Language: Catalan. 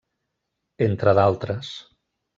Entre d'altres.